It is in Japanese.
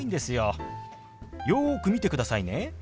よく見てくださいね。